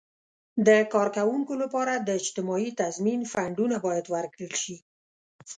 د کارکوونکو لپاره د اجتماعي تضمین فنډونه باید ورکړل شي.